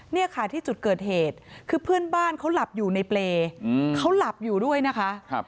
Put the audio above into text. เนี่ยค่ะที่จุดเกิดเหตุคือเพื่อนบ้านเขาหลับอยู่ในเปรย์เขาหลับอยู่ด้วยนะคะ